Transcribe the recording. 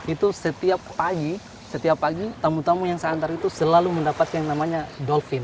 itu setiap pagi setiap pagi tamu tamu yang saya antar itu selalu mendapat yang namanya dolphin